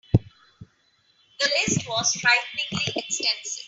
The list was frighteningly extensive.